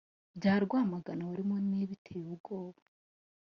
bya Rwamagana wari munini biteye ubwoya.